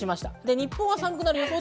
日本は寒くなる予想。